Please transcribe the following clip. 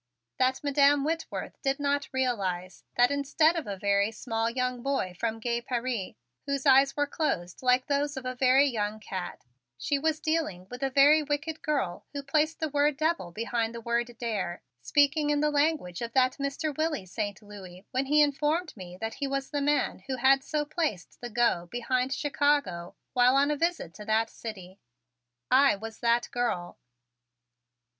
That Madam Whitworth did not realize that instead of a very small young boy from gay Paris, whose eyes were closed like those of a very young cat, she was dealing with the very wicked girl who placed the word "devil" behind the word "dare," speaking in the language of that Mr. Willie Saint Louis when he informed me that he was the man who had so placed the "go" behind Chicago while on a visit to that city. I was that girl.